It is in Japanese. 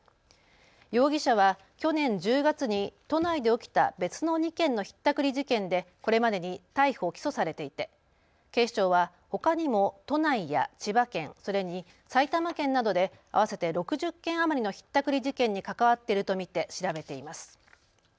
容疑者は去年１０月に都内で起きた別の２件のひったくり事件でこれまでに逮捕、起訴されていて警視庁はほかにも都内や千葉県それに埼玉県などで合わせて６０件余りのひったくり事件に関わっていると見て調べています。